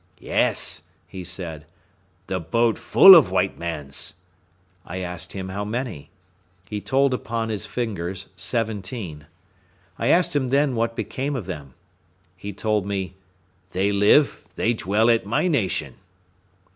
"Yes," he said; "the boat full of white mans." I asked him how many. He told upon his fingers seventeen. I asked him then what became of them. He told me, "They live, they dwell at my nation."